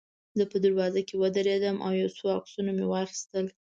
زه په دروازه کې ودرېدم او یو څو عکسونه مې واخیستل.